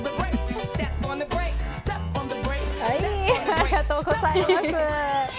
ありがとうございます。